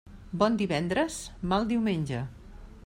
Bon divendres, mal diumenge.